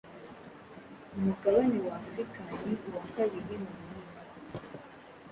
Umugabane wa Afurika ni uwa kabiri mu bunini